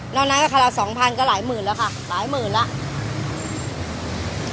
นอกนั้นคำนวณขุที่๒ฟันก็หลายหมื่นแล้วค่ะหลายหมื่นแล้ว